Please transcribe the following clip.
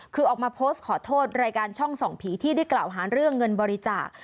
คือออกมาโพสต์ขอโทษรายการช่องส่องผีที่ได้กล่าวหาเรื่องเงินบริจาค